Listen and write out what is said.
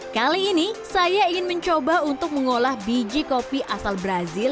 kali ini saya ingin mencoba untuk mengolah biji kopi asal brazil